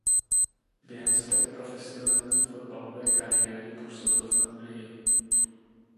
Během své profesionální fotbalové kariéry působil v Anglii.